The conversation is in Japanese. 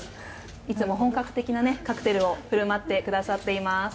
いつも本格的なカクテルを振る舞ってくださっています。